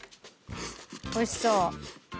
おいしそう。